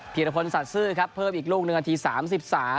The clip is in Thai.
พิรพนธ์ศาสตร์ซื่อครับเพิ่มอีกลูกหนึ่งนาที๓๓